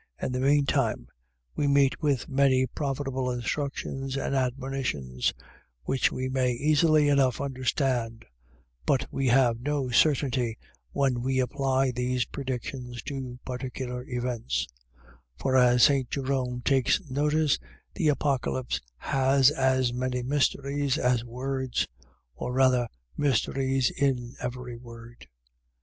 In the mean time we meet with many profitable instructions and admonitions, which we may easily enough understand: but we have no certainty when we apply these predictions to particular events: for as St. Jerome takes notice, the Apocalypse has as many mysteries as words, or rather mysteries in every word.